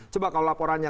coba kalau laporannya